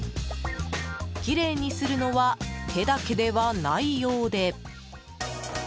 きれいにするのは手だけではないようで。